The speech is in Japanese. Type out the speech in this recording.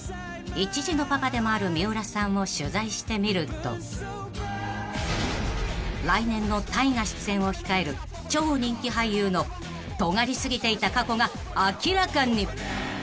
［三浦さんを取材してみると来年の大河出演を控える超人気俳優のトガり過ぎていた過去が明らかに！］